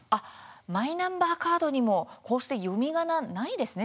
マイナンバーカードにも読みがなはないですね。